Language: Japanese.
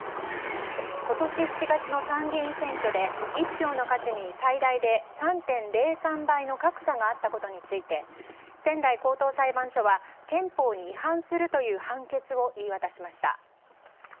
今年７月の参議院選挙で一票の価値に最大で３．０３倍の格差があったことについて仙台高等裁判所は憲法に違反するという判決を言い渡しました。